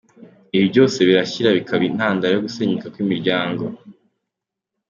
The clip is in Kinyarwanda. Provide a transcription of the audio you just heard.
Ibi byose birashyira bikaba intandaro yo gusenyuka kw’imiryango.